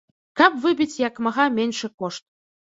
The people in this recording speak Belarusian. Каб выбіць як мага меншы кошт.